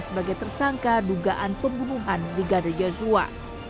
sebagai tersangka dugaan pengumuman brigadir joshua